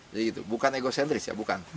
jadi itu bukan egocentris ya bukan